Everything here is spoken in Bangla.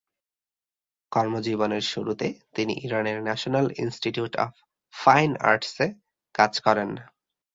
কর্মজীবনের শুরুতে তিনি ইরানের ন্যাশনাল ইন্সটিটিউট অব ফাইন আর্টসে কাজ করেন।